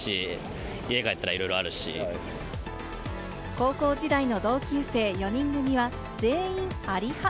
高校時代の同級生４人組は全員あり派。